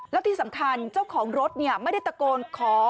แล้วที่สำคัญเจ้าของรถไม่ได้ตะโกนขอ